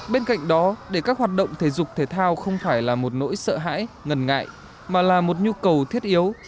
bên cạnh đó để các hoạt động thể dục thể thao không phải là một nỗi sợ hãi ngần ngại mà là một nhu cầu thiết yếu